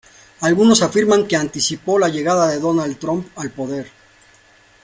Algunos afirman que anticipó la llegada de Donald Trump al poder.